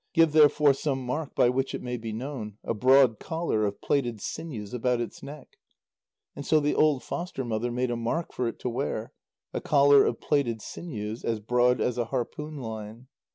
Give therefore some mark by which it may be known; a broad collar of plaited sinews about its neck." And so the old foster mother made a mark for it to wear; a collar of plaited sinews, as broad as a harpoon line.